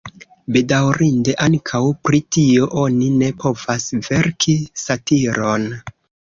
Bedaŭrinde ankaŭ pri tio oni ne povas verki satiron.